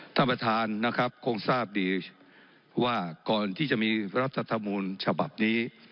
ท่านประธานนะครับคงทราบดีว่าก่อนที่จะมีรัฐธรรมนูญฉบับนี้